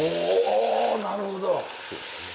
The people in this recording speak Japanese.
おぉなるほど。